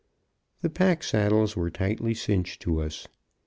The pack saddles were tightly cinched to us.